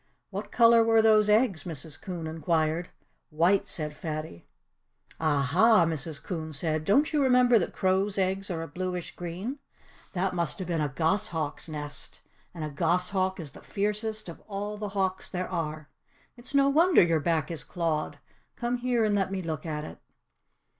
"What color were those eggs?" Mrs. Coon inquired. "White!" said Fatty. "Ah, ha!" Mrs. Coon said. "Don't you remember that crows' eggs are a blueish green? That must have been a goshawk's nest. And a goshawk is the fiercest of all the hawks there are. It's no wonder your back is clawed. Come here and let me look at it."